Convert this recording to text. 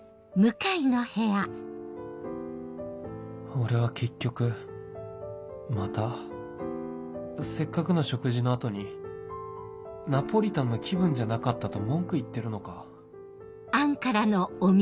俺は結局またせっかくの食事の後に「ナポリタンの気分じゃなかった」と文句言ってるのか？